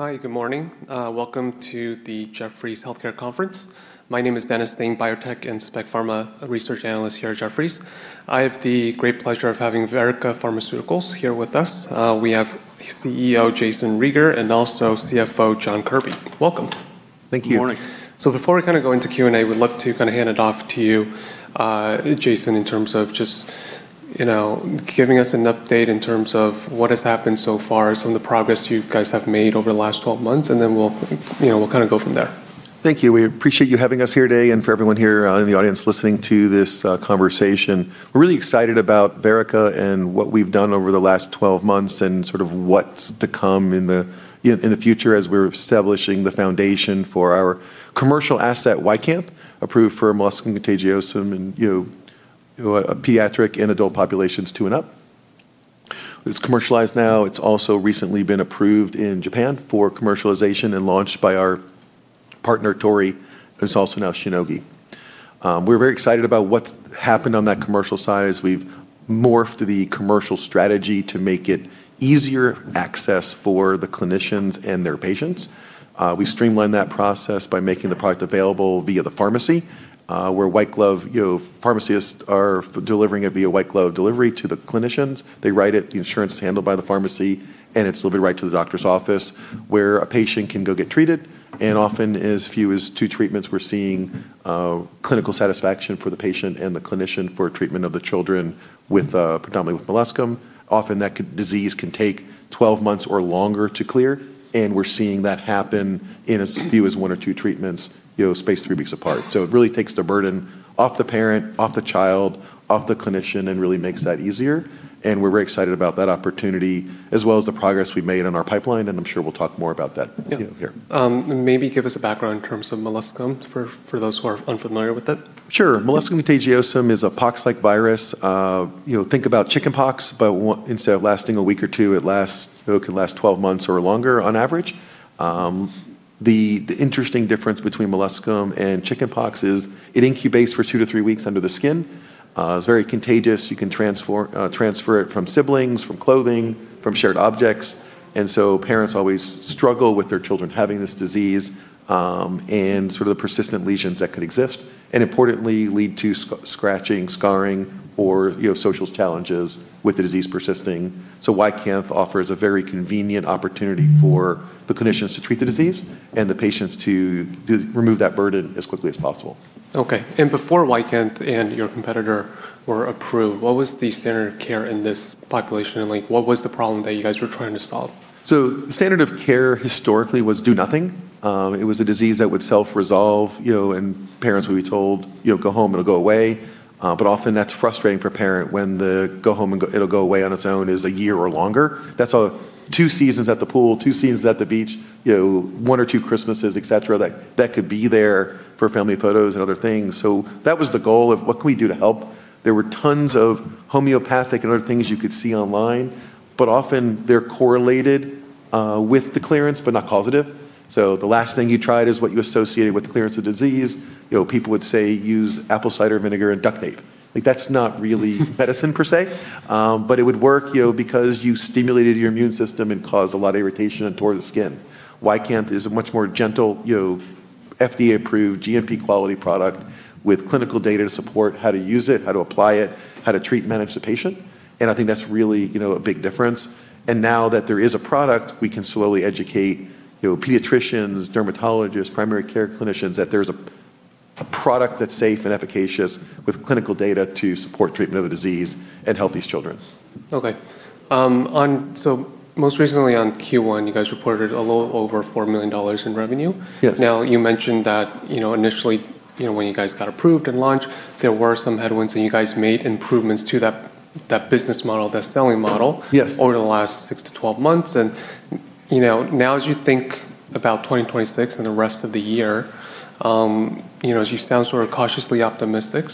Hi, good morning. Welcome to the Jefferies Healthcare Conference. My name is Dennis Ding, Biotech and Spec Pharma Research Analyst here at Jefferies. I have the great pleasure of having Verrica Pharmaceuticals here with us. We have CEO, Jayson Rieger, and also CFO, John Kirby. Welcome. Thank you. Good morning. Before we go into Q&A, we'd love to hand it off to you, Jayson, in terms of just giving us an update in terms of what has happened so far, some of the progress you guys have made over the last 12 months, and then we'll go from there. Thank you. We appreciate you having us here today and for everyone here in the audience listening to this conversation. We're really excited about Verrica and what we've done over the last 12 months and what's to come in the future as we're establishing the foundation for our commercial asset, YCANTH, approved for molluscum contagiosum in pediatric and adult populations two and up. It's commercialized now. It's also recently been approved in Japan for commercialization and launch by our partner, Torii, who's also now Shionogi. We're very excited about what's happened on that commercial side, as we've morphed the commercial strategy to make it easier access for the clinicians and their patients. We streamlined that process by making the product available via the pharmacy, where pharmacists are delivering it via white glove delivery to the clinicians. They write it, the insurance is handled by the pharmacy, and it's delivered right to the doctor's office where a patient can go get treated. Often, as few as two treatments, we're seeing clinical satisfaction for the patient and the clinician for treatment of the children predominantly with molluscum. Often, that disease can take 12 months or longer to clear, and we're seeing that happen in as few as one or two treatments spaced three weeks apart. It really takes the burden off the parent, off the child, off the clinician, and really makes that easier, and we're very excited about that opportunity as well as the progress we've made in our pipeline, and I'm sure we'll talk more about that here. Yeah. Maybe give us a background in terms of molluscum, for those who are unfamiliar with it. Sure. Molluscum contagiosum is a pox-like virus. Think about chickenpox, but instead of lasting a week or two, it could last 12 months or longer on average. The interesting difference between molluscum and chickenpox is it incubates for two to three weeks under the skin. It's very contagious. You can transfer it from siblings, from clothing, from shared objects. Parents always struggle with their children having this disease, and the persistent lesions that could exist, and importantly, lead to scratching, scarring, or social challenges with the disease persisting. YCANTH offers a very convenient opportunity for the clinicians to treat the disease and the patients to remove that burden as quickly as possible. Okay. Before YCANTH and your competitor were approved, what was the standard of care in this population, and what was the problem that you guys were trying to solve? The standard of care historically was do nothing. It was a disease that would self-resolve, and parents would be told, "Go home, it'll go away." Often that's frustrating for a parent when the go home and it'll go away on its own is a year or longer. That's two seasons at the pool, two seasons at the beach, one or two Christmases, et cetera, that could be there for family photos and other things. That was the goal of what can we do to help. There were tons of homeopathic and other things you could see online, but often they're correlated with the clearance but not causative. The last thing you tried is what you associated with clearance of disease. People would say, "Use apple cider vinegar and duct tape." That's not really medicine per se, but it would work because you stimulated your immune system and caused a lot of irritation and tore the skin. YCANTH is a much more gentle, FDA-approved, GMP-quality product with clinical data to support how to use it, how to apply it, how to treat and manage the patient, and I think that's really a big difference. Now that there is a product, we can slowly educate pediatricians, dermatologists, primary care clinicians, that there's a product that's safe and efficacious with clinical data to support treatment of the disease and help these children. Okay. most recently on Q1, you guys reported a little over $4 million in revenue. Yes. You mentioned that initially, when you guys got approved and launched, there were some headwinds, and you guys made improvements to that business model, that selling model. Yes over the last six to 12 months. Now as you think about 2026 and the rest of the year, you sound sort of cautiously optimistic.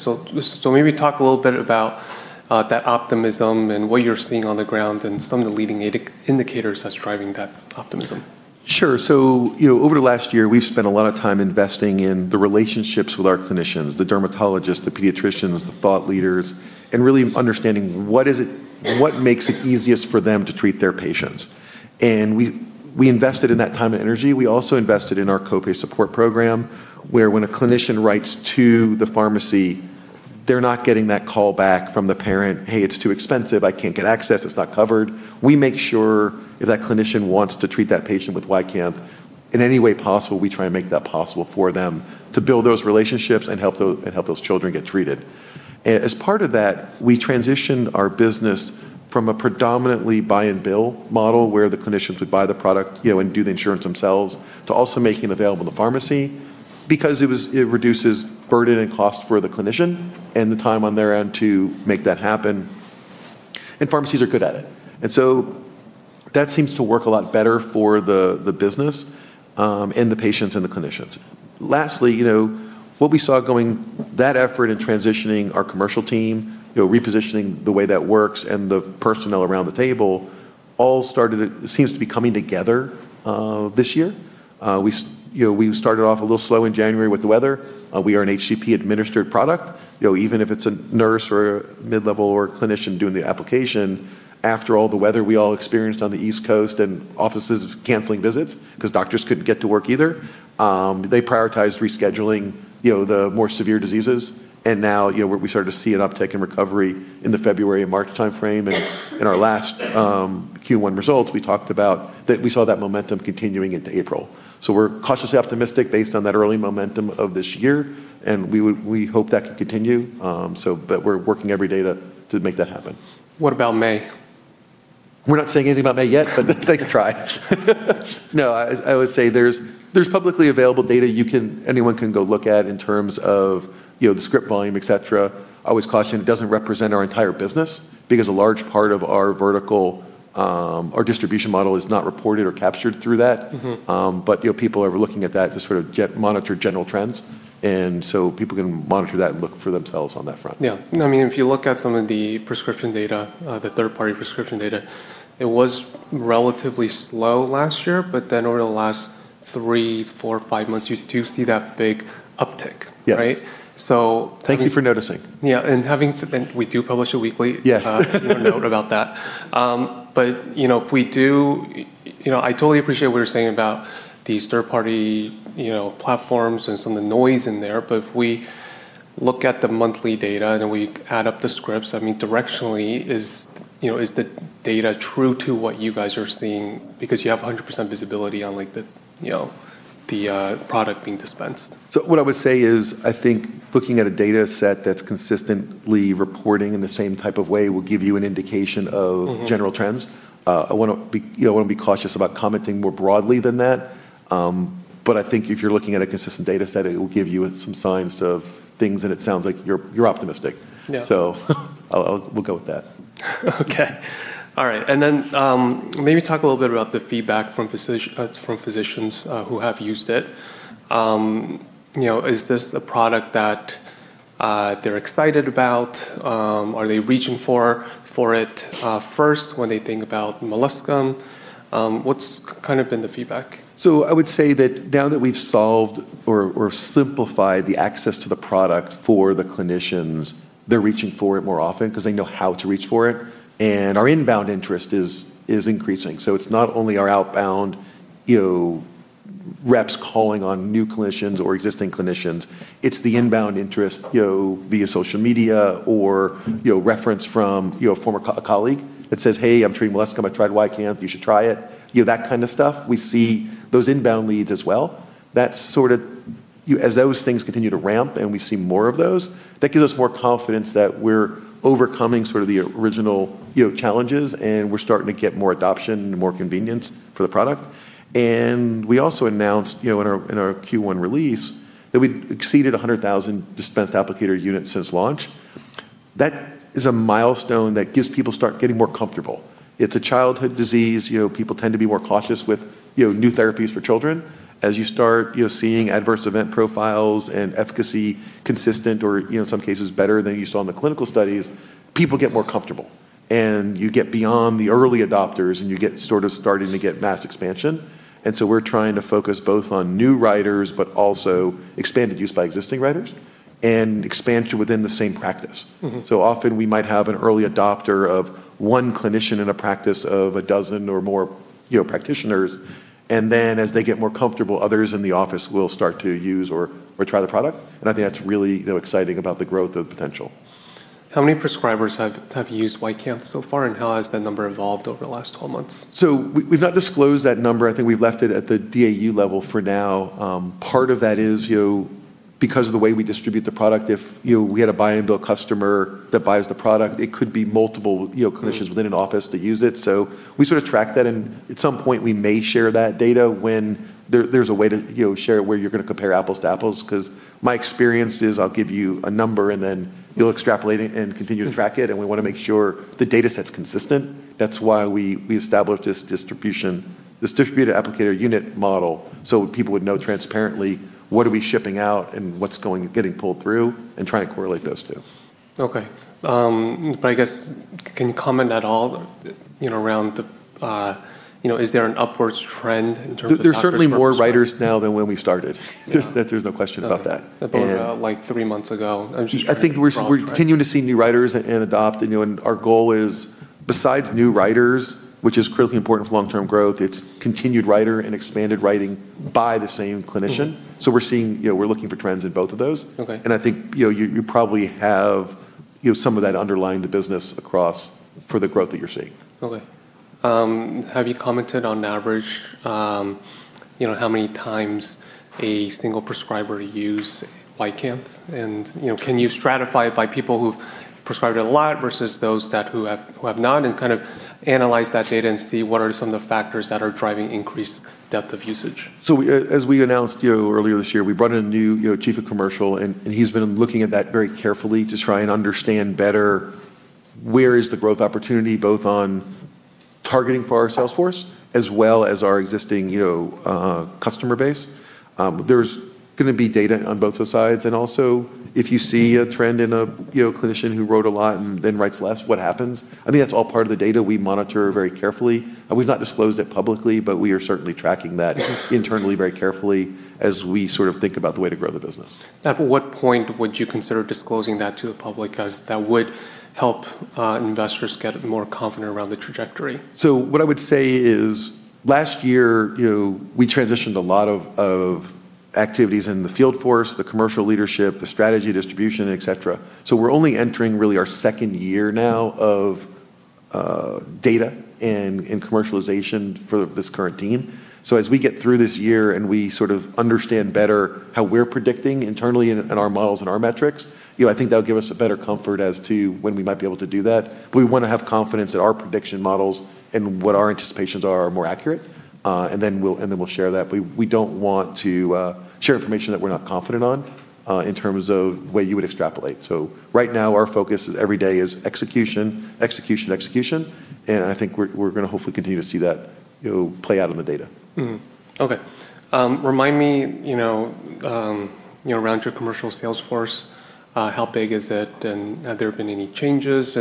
Maybe talk a little bit about that optimism and what you're seeing on the ground and some of the leading indicators that's driving that optimism. Sure. Over the last year, we've spent a lot of time investing in the relationships with our clinicians, the dermatologists, the pediatricians, the thought leaders, and really understanding what makes it easiest for them to treat their patients. We invested in that time and energy. We also invested in our co-pay support program, where when a clinician writes to the pharmacy, they're not getting that call back from the parent, "Hey, it's too expensive. I can't get access. It's not covered." We make sure if that clinician wants to treat that patient with YCANTH, in any way possible, we try and make that possible for them to build those relationships and help those children get treated. As part of that, we transitioned our business from a predominantly buy and bill model where the clinicians would buy the product and do the insurance themselves, to also making it available in the pharmacy because it reduces burden and cost for the clinician and the time on their end to make that happen, and pharmacies are good at it. That seems to work a lot better for the business and the patients and the clinicians. Lastly, what we saw going that effort in transitioning our commercial team, repositioning the way that works and the personnel around the table all started it seems to be coming together this year. We started off a little slow in January with the weather. We are an HCP-administered product. Even if it's a nurse or a mid-level or a clinician doing the application, after all the weather we all experienced on the East Coast and offices canceling visits because doctors couldn't get to work either, they prioritized rescheduling the more severe diseases. Now, we started to see an uptick in recovery in the February and March timeframe. In our last Q1 results, we talked about that we saw that momentum continuing into April. We're cautiously optimistic based on that early momentum of this year, and we hope that can continue. We're working every day to make that happen. What about May? We're not saying anything about May yet, but thanks for trying. No, I would say there's publicly available data anyone can go look at in terms of the script volume, et cetera. I always caution it doesn't represent our entire business because a large part of our distribution model is not reported or captured through that. People are looking at that to sort of monitor general trends, and so people can monitor that and look for themselves on that front. Yeah. If you look at some of the prescription data, the third-party prescription data, it was relatively slow last year, but then over the last three, four, five months, you do see that big uptick. Yes. Right? Thank you for noticing. Yeah. Having said that, we do publish a weekly- Yes. Note about that. I totally appreciate what you're saying about these third-party platforms and some of the noise in there, but if we look at the monthly data, and then we add up the scripts, directionally is the data true to what you guys are seeing? Because you have 100% visibility on the product being dispensed. What I would say is, I think looking at a data set that's consistently reporting in the same type of way will give you an indication of general trends. I want to be cautious about commenting more broadly than that, but I think if you're looking at a consistent data set, it will give you some signs of things, and it sounds like you're optimistic. Yeah. We'll go with that. Okay. All right. Maybe talk a little bit about the feedback from physicians who have used it. Is this a product that they're excited about? Are they reaching for it first when they think about molluscum? What's kind of been the feedback? I would say that now that we've solved or simplified the access to the product for the clinicians, they're reaching for it more often because they know how to reach for it, and our inbound interest is increasing. It's not only our outbound reps calling on new clinicians or existing clinicians, it's the inbound interest via social media or reference from a former colleague that says, "Hey, I'm treating molluscum. I tried YCANTH, you should try it." That kind of stuff. We see those inbound leads as well. Those things continue to ramp and we see more of those, that gives us more confidence that we're overcoming the original challenges, and we're starting to get more adoption and more convenience for the product. We also announced in our Q1 release that we'd exceeded 100,000 dispensed applicator units since launch. That is a milestone that gives people start getting more comfortable. It's a childhood disease. People tend to be more cautious with new therapies for children. As you start seeing adverse event profiles and efficacy consistent or in some cases better than you saw in the clinical studies, people get more comfortable. You get beyond the early adopters, and you get sort of starting to get mass expansion. We're trying to focus both on new writers but also expanded use by existing writers and expansion within the same practice. Often we might have an early adopter of one clinician in a practice of a dozen or more practitioners, and then as they get more comfortable, others in the office will start to use or try the product. I think that's really exciting about the growth of potential. How many prescribers have used YCANTH so far, and how has that number evolved over the last 12 months? We've not disclosed that number. I think we've left it at the DAU level for now. Part of that is because of the way we distribute the product, if we had a buy and bill customer that buys the product, it could be multiple clinicians within an office that use it. We sort of track that, and at some point, we may share that data when there's a way to share it where you're going to compare apples to apples, because my experience is I'll give you a number, and then you'll extrapolate it and continue to track it, and we want to make sure the data set's consistent. That's why we established this distributor applicator unit model so people would know transparently what are we shipping out and what's getting pulled through and try and correlate those two. Okay. I guess, can you comment at all around is there an upwards trend in terms of prescribers? There's certainly more writers now than when we started. Yeah. There's no question about that. About three months ago. I think we're continuing to see new writers to adopt. Our goal is besides new writers, which is critically important for long-term growth, it's continued writer and expanded writing by the same clinician. We're looking for trends in both of those. Okay. I think you probably have some of that underlying the business across for the growth that you're seeing. Okay. Have you commented on average how many times a single prescriber used YCANTH? Can you stratify it by people who've prescribed it a lot versus those who have not and kind of analyze that data and see what are some of the factors that are driving increased depth of usage? As we announced earlier this year, we brought in a new Chief of Commercial, and he's been looking at that very carefully to try and understand better where is the growth opportunity, both on targeting for our sales force as well as our existing customer base. There's going to be data on both those sides. Also, if you see a trend in a clinician who wrote a lot and then writes less, what happens? I think that's all part of the data we monitor very carefully, and we've not disclosed it publicly, but we are certainly tracking that internally very carefully as we think about the way to grow the business. At what point would you consider disclosing that to the public, as that would help investors get more confident around the trajectory? What I would say is last year, we transitioned a lot of activities in the field force, the commercial leadership, the strategy, distribution, et cetera. We're only entering really our second year now of data and commercialization for this current team. As we get through this year and we sort of understand better how we're predicting internally in our models and our metrics, I think that'll give us a better comfort as to when we might be able to do that. We want to have confidence that our prediction models and what our anticipations are more accurate, and then we'll share that. We don't want to share information that we're not confident on in terms of the way you would extrapolate. Right now, our focus is every day is execution, execution, and I think we're going to hopefully continue to see that play out in the data. Okay. Remind me, around your commercial sales force, how big is it and have there been any changes?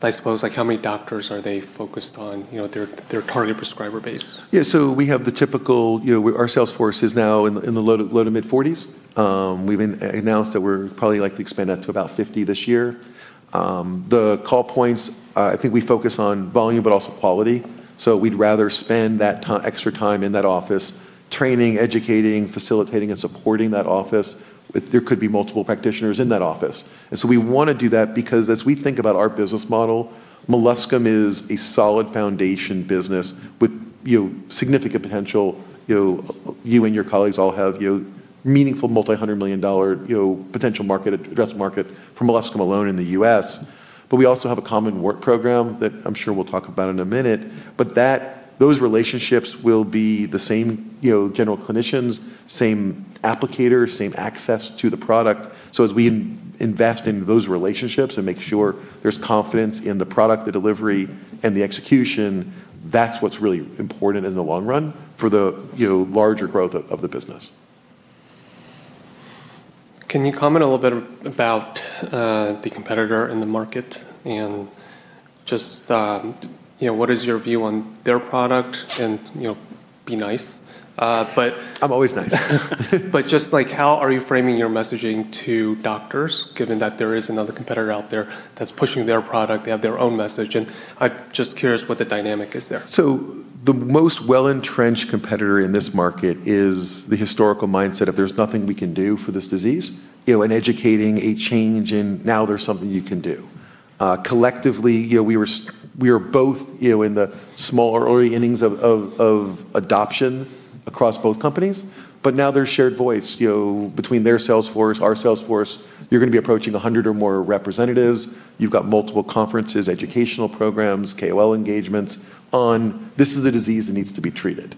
I suppose, how many doctors are they focused on, their target prescriber base? Our sales force is now in the low to mid-40s range. We've announced that we're probably likely to expand that to about 50 range this year. The call points, I think we focus on volume but also quality. We'd rather spend that extra time in that office training, educating, facilitating, and supporting that office. There could be multiple practitioners in that office. We want to do that because as we think about our business model, molluscum is a solid foundation business with significant potential. You and your colleagues all have meaningful multi-hundred million dollar potential addressable market from molluscum alone in the U.S. We also have a Common Warts Program that I'm sure we'll talk about in a minute. Those relationships will be the same general clinicians, same applicators, same access to the product. As we invest in those relationships and make sure there's confidence in the product, the delivery, and the execution, that's what's really important in the long run for the larger growth of the business. Can you comment a little bit about the competitor in the market, and just what is your view on their product? Be nice, but- I'm always nice. Just how are you framing your messaging to doctors, given that there is another competitor out there that's pushing their product, they have their own message, and I'm just curious what the dynamic is there? The most well-entrenched competitor in this market is the historical mindset of there's nothing we can do for this disease, and educating a change in now there's something you can do. Collectively, we are both in the smaller early innings of adoption across both companies, but now there's shared voice between their sales force, our sales force. You're going to be approaching 100 or more representatives. You've got multiple conferences, educational programs, KOL engagements on this is a disease that needs to be treated.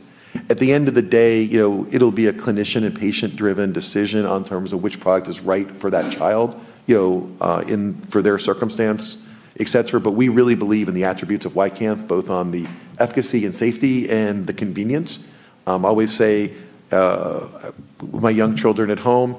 At the end of the day, it'll be a clinician and patient-driven decision on terms of which product is right for that child for their circumstance, et cetera. We really believe in the attributes of YCANTH, both on the efficacy and safety and the convenience. I always say, my young children at home,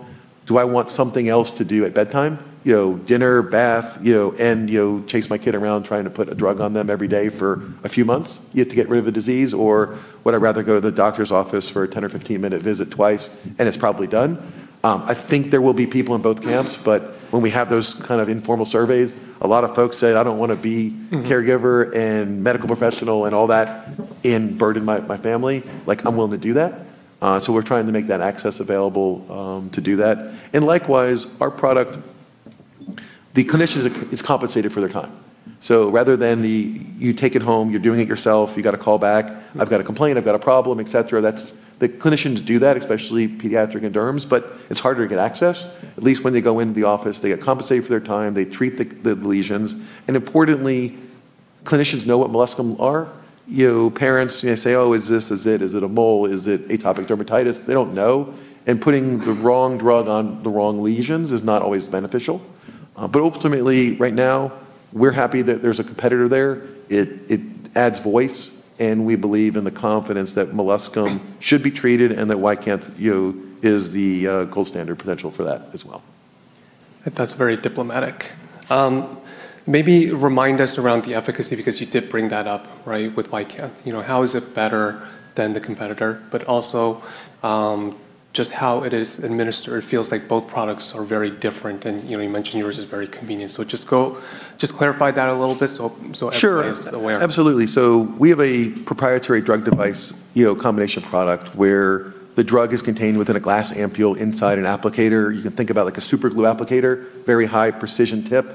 do I want something else to do at bedtime? Dinner, bath, and chase my kid around trying to put a drug on them every day for a few months yet to get rid of a disease, or would I rather go to the doctor's office for a 10 or 15-minute visit twice and it's probably done? I think there will be people in both camps, but when we have those kind of informal surveys, a lot of folks say, "I don't want to be caregiver and medical professional and all that and burden my family. I'm willing to do that." We're trying to make that access available to do that. Likewise, our product, the clinician is compensated for their time. Rather than the you take it home, you're doing it yourself, you got to call back, I've got a complaint, I've got a problem, et cetera. The clinicians do that, especially pediatric and derms, but it's harder to get access. At least when they go into the office, they get compensated for their time. They treat the lesions. Importantly, clinicians know what molluscum are. Parents say, "Oh, is this a mole? Is it atopic dermatitis?" They don't know. Putting the wrong drug on the wrong lesions is not always beneficial. Ultimately, right now, we're happy that there's a competitor there. It adds voice, and we believe in the confidence that molluscum should be treated and that YCANTH is the gold standard potential for that as well. That's very diplomatic. Maybe remind us around the efficacy, because you did bring that up, right, with YCANTH. How is it better than the competitor? Also, just how it is administered. It feels like both products are very different, and you mentioned yours is very convenient. Just clarify that a little bit so everybody is aware. Sure. Absolutely. We have a proprietary drug device combination product where the drug is contained within a glass ampoule inside an applicator. You can think about a superglue applicator, very high precision tip,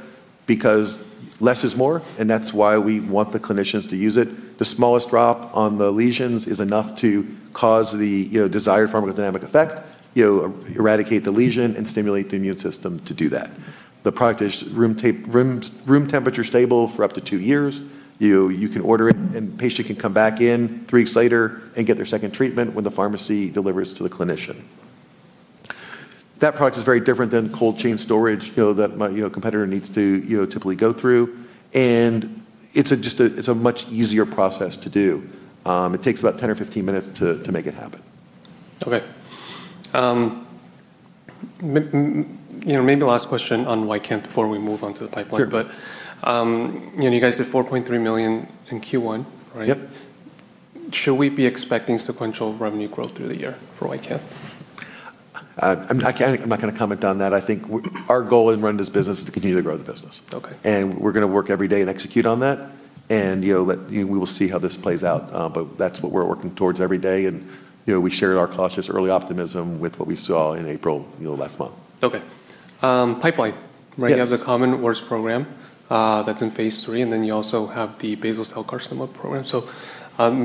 because less is more, and that's why we want the clinicians to use it. The smallest drop on the lesions is enough to cause the desired pharmacodynamic effect, eradicate the lesion, and stimulate the immune system to do that. The product is room temperature stable for up to two years. You can order it, patient can come back in three weeks later and get their second treatment when the pharmacy delivers to the clinician. That product is very different than cold chain storage that my competitor needs to typically go through. It's a much easier process to do. It takes about 10 or 15 minutes to make it happen. Okay. Maybe last question on YCANTH before we move on to the pipeline. Sure. You guys did $4.3 million in Q1, right? Yep. Should we be expecting sequential revenue growth through the year for YCANTH? I'm not going to comment on that. I think our goal in running this business is to continue to grow the business. Okay. We're going to work every day and execute on that, and we will see how this plays out. That's what we're working towards every day, and we shared our cautious early optimism with what we saw in April last month. Okay. Pipeline. Yes. You have the Common Warts Program that's in phase III, and then you also have the basal cell carcinoma program.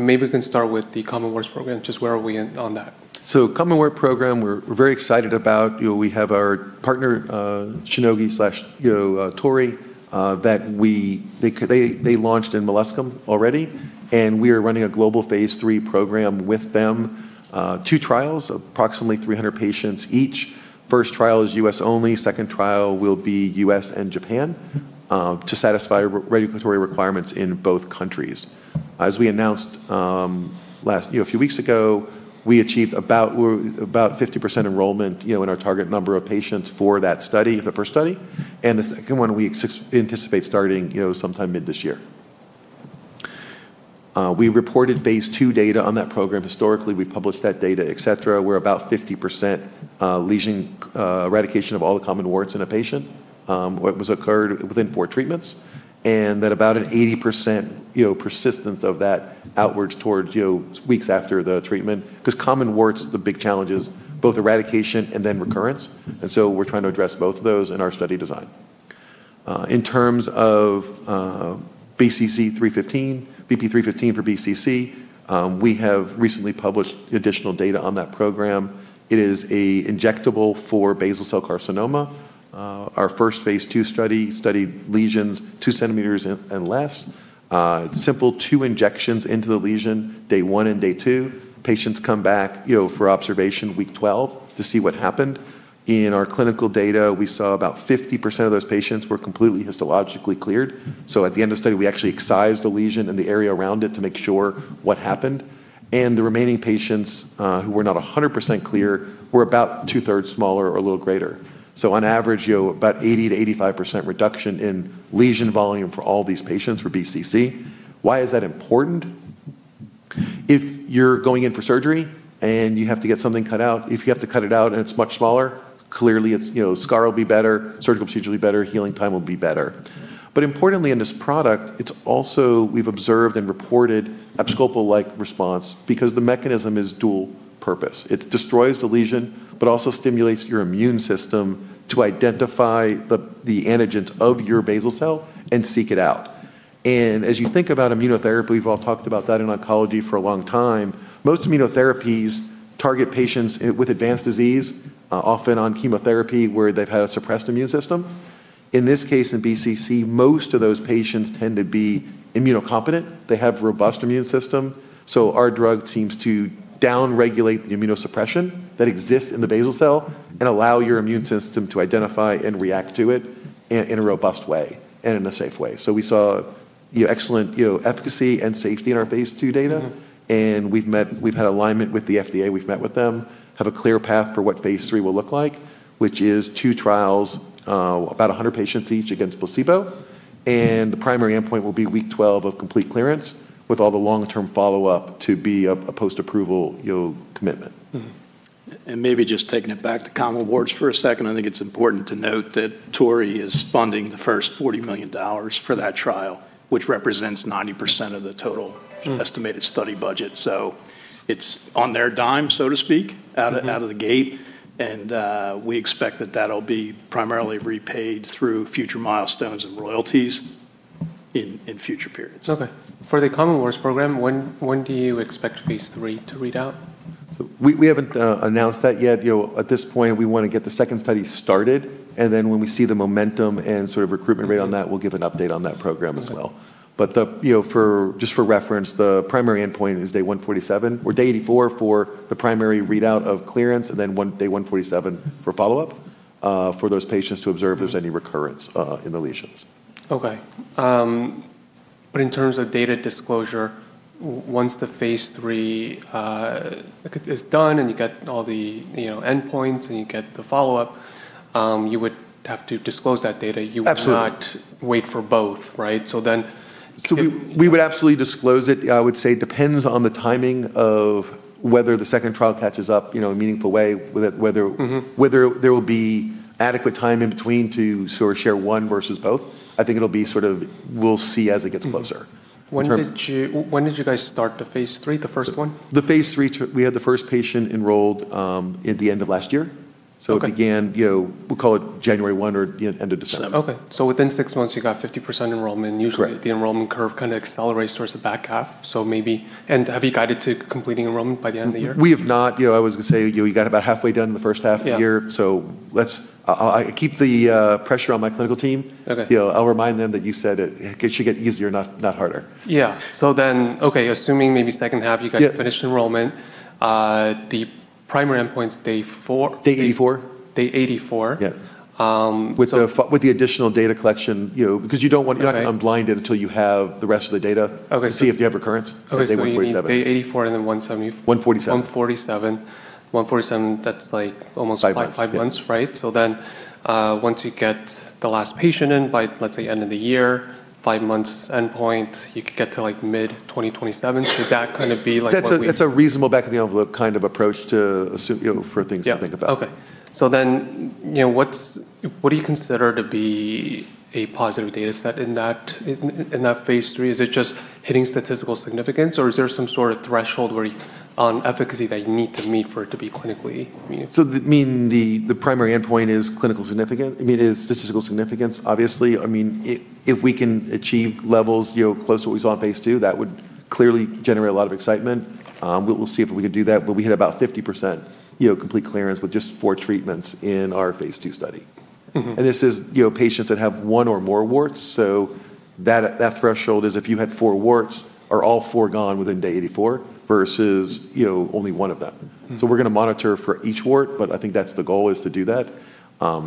Maybe we can start with the Common Warts Program. Just where are we on that? Common Warts Program, we're very excited about. We have our partner, Shionogi/Torii, that they launched in molluscum already, and we are running a global phase III program with them. Two trials, approximately 300 patients each. First trial is U.S only, second trial will be U.S and Japan to satisfy regulatory requirements in both countries. As we announced a few weeks ago, we achieved about 50% enrollment in our target number of patients for that study, the first study. The second one, we anticipate starting sometime mid this year. We reported Phase II data on that program. Historically, we published that data. We're about 50% lesion eradication of all the common warts in a patient, what was occurred within four treatments, and that about an 80% persistence of that outwards towards weeks after the treatment. Because common warts, the big challenge is both eradication and then recurrence, we're trying to address both of those in our study design. In terms of VP-315, VP-315 for BCC, we have recently published additional data on that program. It is a injectable for basal cell carcinoma. Our first phase II study studied lesions two centimeters and less. It's simple, two injections into the lesion day one and day two. Patients come back for observation week 12 to see what happened. In our clinical data, we saw about 50% of those patients were completely histologically cleared. At the end of the study, we actually excised the lesion and the area around it to make sure what happened. The remaining patients who were not 100% clear were about 2/3 smaller or a little greater. On average, about 80%-85% reduction in lesion volume for all these patients for BCC. Why is that important? If you're going in for surgery and you have to get something cut out, if you have to cut it out and it's much smaller, clearly scar will be better, surgical procedure will be better, healing time will be better. Importantly in this product, it's also we've observed and reported abscopal effect because the mechanism is dual purpose. It destroys the lesion, but also stimulates your immune system to identify the antigens of your basal cell and seek it out. As you think about immunotherapy, we've all talked about that in oncology for a long time, most immunotherapies target patients with advanced disease, often on chemotherapy, where they've had a suppressed immune system. In this case, in BCC, most of those patients tend to be immunocompetent. They have robust immune system. Our drug seems to down-regulate the immunosuppression that exists in the basal cell and allow your immune system to identify and react to it in a robust way and in a safe way. We saw excellent efficacy and safety in our phase II data, and we've had alignment with the FDA. We've met with them, have a clear path for what phase III will look like, which is two trials, about 100 patients each against placebo. The primary endpoint will be week 12 of complete clearance with all the long-term follow-up to be a post-approval commitment. Maybe just taking it back to Common Warts for a second, I think it's important to note that Torii is funding the first $40 million for that trial, which represents 90% of the total estimated study budget. It's on their dime, so to speak, out of the gate, and we expect that that'll be primarily repaid through future milestones and royalties in future periods. Okay. For the Common Warts Program, when do you expect phase III to read out? We haven't announced that yet. At this point, we want to get the second study started, and then when we see the momentum and sort of recruitment rate on that, we'll give an update on that program as well. Okay. Just for reference, the primary endpoint is day 147, or day 84 for the primary readout of clearance and then day 147 for follow-up for those patients to observe if there's any recurrence in the lesions. Okay. In terms of data disclosure, once the phase III is done and you get all the endpoints and you get the follow-up, you would have to disclose that data. Absolutely. You would not wait for both, right? We would absolutely disclose it. I would say it depends on the timing of whether the second trial catches up in a meaningful way. There will be adequate time in between to sort of share one versus both. I think it'll be sort of we'll see as it gets closer. When did you guys start the phase III, the first one? The phase III, we had the first patient enrolled at the end of last year. Okay. It began, we'll call it January 1 or end of December. Okay. Within six months, you got 50% enrollment. Correct. Usually the enrollment curve kind of accelerates towards the back half, so maybe. Have you guided to completing enrollment by the end of the year? We have not. I was going to say, we got about halfway done the first half of the year. Yeah. Let's keep the pressure on my clinical team. Okay. I'll remind them that you said it should get easier, not harder. Yeah. Okay, assuming maybe second half you guys. Yeah finish enrollment, the primary endpoint is day four. Day 84 day 84. Yeah. With the additional data collection, because you're not going to unblind it until you have the rest of the data. Okay to see if you have recurrence at day 147. Okay, you need day 84 and then 170. 147. 147. 147. Five months Five months. Right. Once you get the last patient in by, let's say, end of the year, five months endpoint, you could get to mid 2027. Should that kind of be like what we. That's a reasonable back of the envelope kind of approach to assume for things to think about. Yeah. Okay. What do you consider to be a positive data set in that phase III? Is it just hitting statistical significance, or is there some sort of threshold on efficacy that you need to meet for it to be clinically meaningful? The primary endpoint is statistical significance. Obviously, if we can achieve levels close to what we saw in phase II, that would clearly generate a lot of excitement. We'll see if we can do that, but we hit about 50% complete clearance with just four treatments in our phase II study. This is patients that have one or more warts. That threshold is if you had four warts, are all four gone within day 84 versus only one of them. We're going to monitor for each wart, but I think that's the goal is to do that.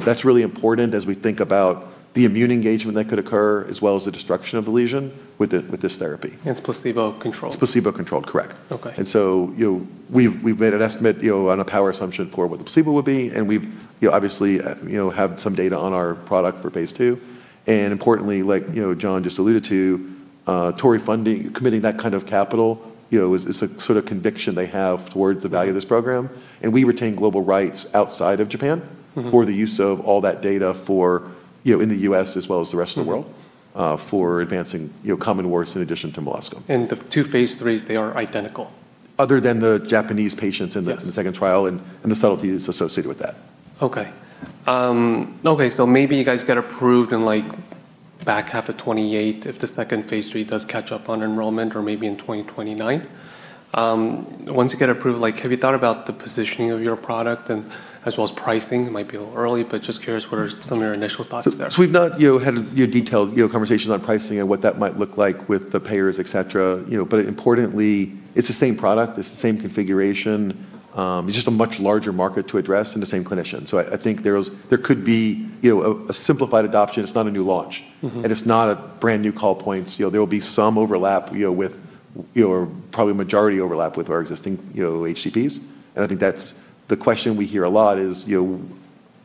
That's really important as we think about the immune engagement that could occur, as well as the destruction of the lesion with this therapy. It's placebo-controlled. It's placebo-controlled, correct. Okay. We've made an estimate on a power assumption for what the placebo would be, and we obviously have some data on our product for phase II. Importantly, like John just alluded to, Torii committing that kind of capital is a sort of conviction they have towards the value of this program. We retain global rights outside of Japan. For the use of all that data in the U.S., as well as the rest of the world. For advancing common warts in addition to molluscum. The two phase IIIs, they are identical. Other than the Japanese patients in the. Yes phase II trial, and the subtleties associated with that. Okay. Maybe you guys get approved in back half of 2028 if the second phase III does catch up on enrollment or maybe in 2029. Once you get approved, have you thought about the positioning of your product and as well as pricing? It might be a little early, just curious what are some of your initial thoughts there? We've not had detailed conversations on pricing and what that might look like with the payers, et cetera. Importantly, it's the same product, it's the same configuration. It's just a much larger market to address and the same clinician. I think there could be a simplified adoption. It's not a new launch. It's not a brand new call points. There will be some overlap, or probably majority overlap with our existing HCPs, and I think that's the question we hear a lot is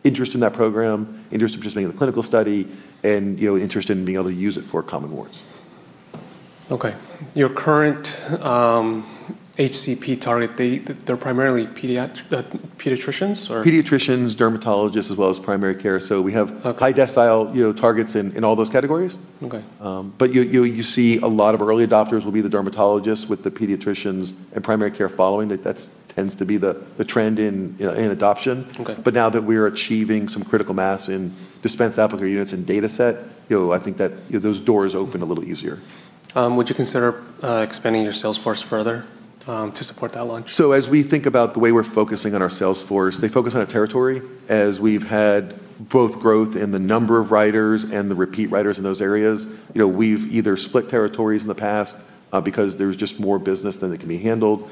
interest in that program, interest in participating in the clinical study, and interest in being able to use it for Common Warts. Okay. Your current HCP target, they're primarily pediatricians, or? Pediatricians, dermatologists, as well as primary care. Okay high decile targets in all those categories. Okay. You see a lot of early adopters will be the dermatologists with the pediatricians and primary care following. That tends to be the trend in adoption. Okay. Now that we are achieving some critical mass in dispensed applicator units and data set, I think that those doors open a little easier. Would you consider expanding your sales force further to support that launch? As we think about the way we're focusing on our sales force, they focus on a territory. As we've had both growth in the number of writers and the repeat writers in those areas, we've either split territories in the past because there's just more business than can be handled.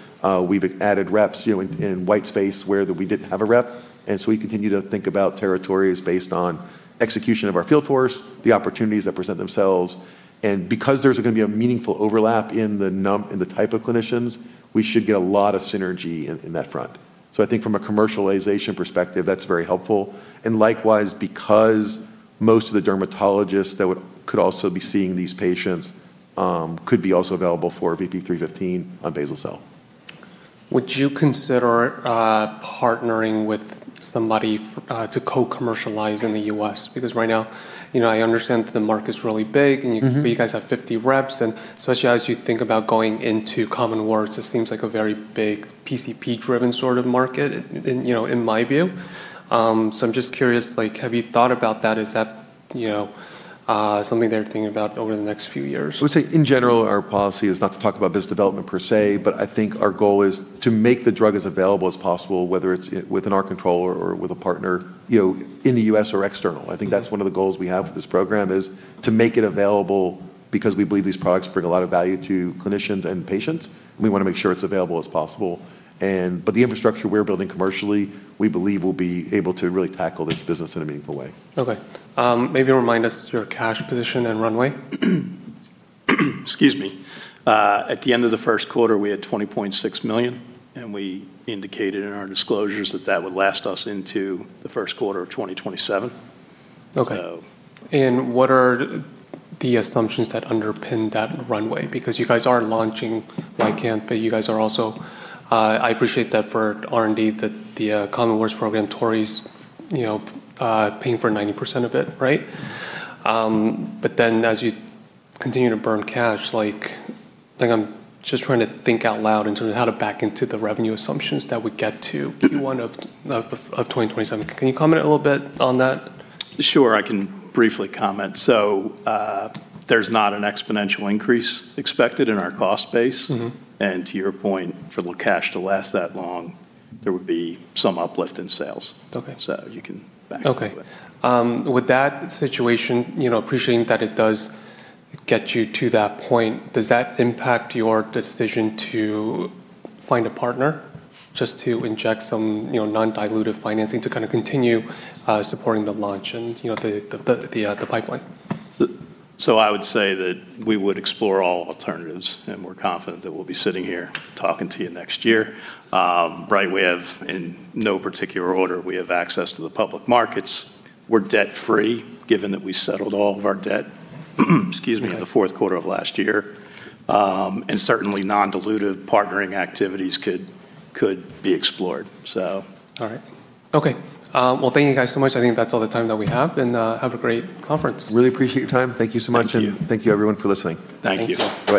We've added reps in white space where we didn't have a rep. We continue to think about territories based on execution of our field force, the opportunities that present themselves, and because there's going to be a meaningful overlap in the type of clinicians, we should get a lot of synergy in that front. I think from a commercialization perspective, that's very helpful. Likewise, because most of the dermatologists that could also be seeing these patients could be also available for VP-315 on basal cell. Would you consider partnering with somebody to co-commercialize in the U.S.? Right now, I understand that the market's really big. Guys have 50 reps. Especially as you think about going into common warts, it seems like a very big PCP-driven sort of market in my view. I'm just curious, have you thought about that? Is that something that you're thinking about over the next few years? I would say in general, our policy is not to talk about business development per se, but I think our goal is to make the drug as available as possible, whether it's within our control or with a partner in the U.S. or external. I think that's one of the goals we have for this program is to make it available because we believe these products bring a lot of value to clinicians and patients, and we want to make sure it's available as possible. The infrastructure we're building commercially, we believe will be able to really tackle this business in a meaningful way. Okay. Maybe remind us your cash position and runway. Excuse me. At the end of the first quarter, we had $20.6 million. We indicated in our disclosures that that would last us into the first quarter of 2027. Okay. So. What are the assumptions that underpin that runway? You guys are launching YCANTH, but you guys are also I appreciate that for R&D that the common warts program, Torii's paying for 90% of it, right? As you continue to burn cash, I'm just trying to think out loud in terms of how to back into the revenue assumptions that would get to Q1 of 2027. Can you comment a little bit on that? Sure, I can briefly comment. There's not an exponential increase expected in our cost base. To your point, for the cash to last that long, there would be some uplift in sales. Okay. You can back into it. Okay. With that situation, appreciating that it does get you to that point, does that impact your decision to find a partner just to inject some non-dilutive financing to kind of continue supporting the launch and the pipeline? I would say that we would explore all alternatives, and we're confident that we'll be sitting here talking to you next year. Right. In no particular order, we have access to the public markets. We're debt-free, given that we settled all of our debt. Yeah in the fourth quarter of last year. Certainly non-dilutive partnering activities could be explored. All right. Okay. Well, thank you guys so much. I think that's all the time that we have, and have a great conference. Really appreciate your time. Thank you so much. Thank you. Thank you everyone for listening. Thank you. Thank you.